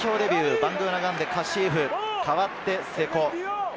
バングーナガンデ佳史扶、代わって瀬古。